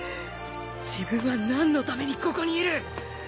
自分は何のためにここにいる